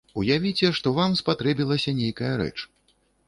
Уявіце, што вам спатрэбілася нейкая рэч.